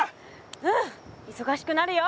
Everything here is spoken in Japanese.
うんいそがしくなるよ。